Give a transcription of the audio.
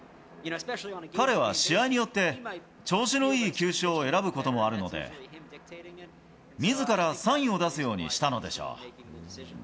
彼は試合によって、調子のいい球種を選ぶこともあるので、みずからサインを出すようにしたのでしょう。